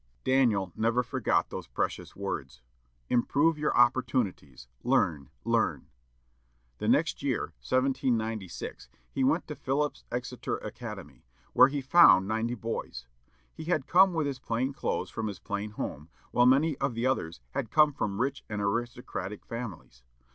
'" Daniel never forgot those precious words, "Improve your opportunities, learn, learn." The next year, 1796, he went to Phillips Exeter Academy, where he found ninety boys. He had come with his plain clothes from his plain home, while many of the others had come from rich and aristocratic families.